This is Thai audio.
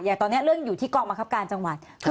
ตอนนี้เรื่องอยู่ที่กองบังคับการจังหวัด